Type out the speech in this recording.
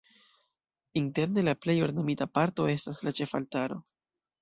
Interne la plej ornamita parto estas la ĉefaltaro.